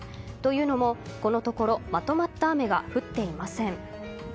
というのも、このところまとまった雨が降っていません。